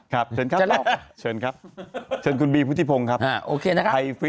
ครับเชิญครับคุณบีพุทธิพงศ์ครับ